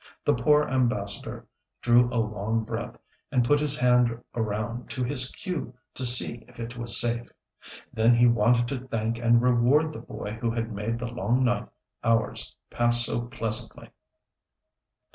The poor Ambassador drew a long breath, and put his hand around to his queue to see if it was safe. Then he wanted to thank and reward the boy who had made the long night hours pass so pleasantly.